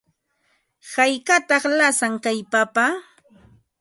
¿Haykataq lasan kay papa?